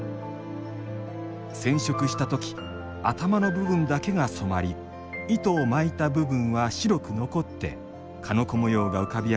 染色した時頭の部分だけが染まり糸を巻いた部分は白く残って鹿の子模様が浮かび上がるのです